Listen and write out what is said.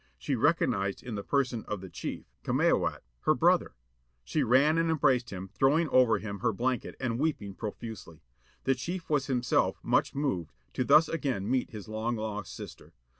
She recognized in the person of the chief â ^Cameawait â her brother. She ran and embraced him, throwing over him her blanket, and weeping profusely. The chief was himself much moved, to thus again meet his long lost sister.